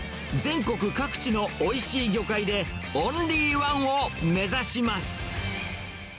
全国各地のおいしい魚介で、オンリーワンを目指します。